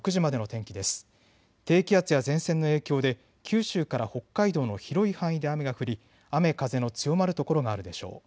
低気圧や前線の影響で九州から北海道の広い範囲で雨が降り雨風の強まる所があるでしょう。